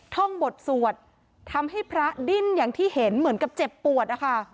ท่องบทสวดทำให้พระดิ้นอย่างที่เห็นเหมือนกับเจ็บปวดนะคะ